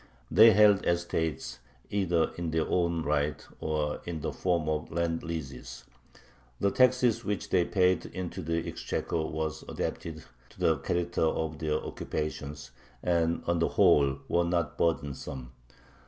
They held estates either in their own right or in the form of land leases. The taxes which they paid into the exchequer were adapted to the character of their occupations, and on the whole were not burdensome.